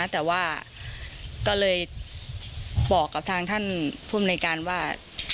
แต่ว่าก็เลยบอกกับทางท่านผู้อำนวยการว่า